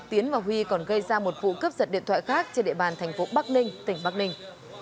tiến và huy còn gây ra một vụ cướp giật điện thoại khác trên địa bàn thành phố bắc ninh tỉnh bắc ninh